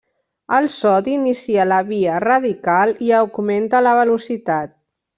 El sodi inicia la via radical i augmenta la velocitat.